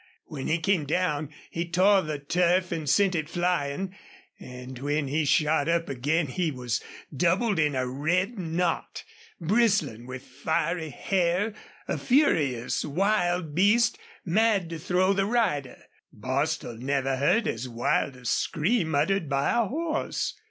When he came down he tore the turf and sent it flying, and when he shot up again he was doubled in a red knot, bristling with fiery hair, a furious wild beast, mad to throw the rider. Bostil never heard as wild a scream uttered by a horse.